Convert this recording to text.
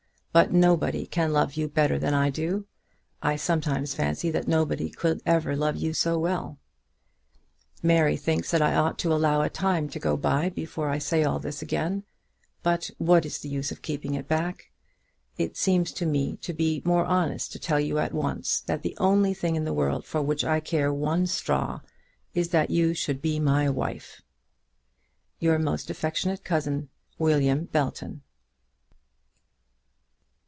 But nobody can love you better than I do. I sometimes fancy that nobody could ever love you so well. Mary thinks that I ought to allow a time to go by before I say all this again; but what is the use of keeping it back? It seems to me to be more honest to tell you at once that the only thing in the world for which I care one straw is that you should be my wife. Your most affectionate Cousin, WILLIAM BELTON.